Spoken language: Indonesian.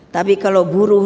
tapi kalau buruh